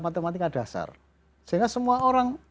matematika dasar sehingga semua orang